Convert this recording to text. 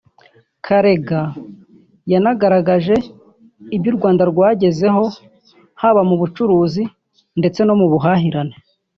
Karega yanagaragaje ibyo u Rwanda rwagezeho haba mu bucuruzi ndetse no mu buhahirane